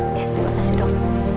ya terima kasih dok